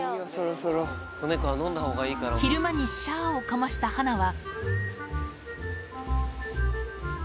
昼間にしゃーをかましたハナは。